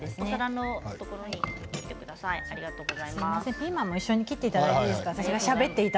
ピーマンも一緒に切っていただいていいですか？